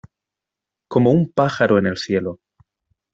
Como un pájaro en el cielo